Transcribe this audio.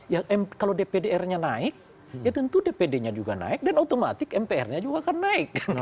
ya kalau dpdr nya naik ya tentu dpd nya juga naik dan otomatis mpr nya juga akan naik